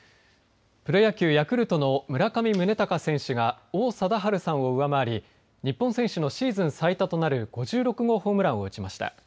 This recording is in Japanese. プロ野球ヤクルトの村上宗隆選手が王貞治さんを上回り日本選手のシーズン最多となる５６号ホームランを打ちました。